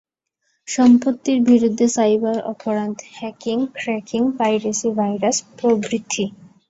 সম্পত্তির বিরুদ্ধে সাইবার অপরাধ: হ্যাকিং, ক্র্যাকিং, পাইরেসি, ভাইরাস প্রভৃতি।